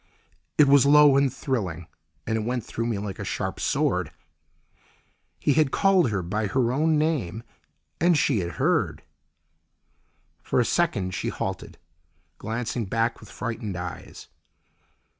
It was low and thrilling, and it went through me like a sharp sword. HE had called her by her own name—and she had heard. For a second she halted, glancing back with frightened eyes.